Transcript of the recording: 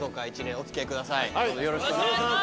よろしくお願いします。